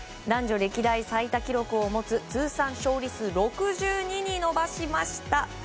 男女歴代最多記録を持つ通算勝利数６２に伸ばしました。